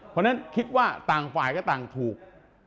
เพราะฉะนั้นคิดว่าต่างฝ่ายก็ต่างถูก